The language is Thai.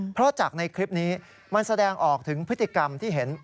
เพราะจากในคลิปนี้มันแสดงออกถึงพฤติกรรมที่เห็น